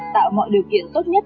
tạo mọi điều kiện tốt nhất